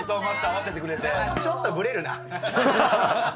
ちょっとぶれるな。